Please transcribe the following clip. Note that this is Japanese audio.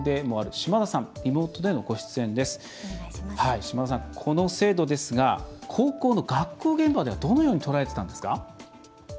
島田さん、この制度ですが高校の学校現場ではどのように捉えてたんですか？